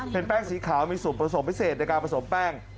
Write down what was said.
เป็นแป้งสีขาวมีสูตรผสมพิเศษในการผสมแป้ง